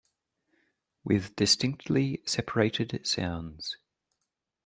With distinctly separated sounds.